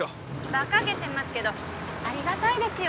バカげてますけどありがたいですよ